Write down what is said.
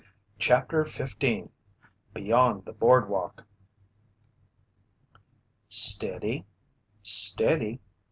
CHAPTER 15 BEYOND THE BOARDWALK "Steady! Steady!"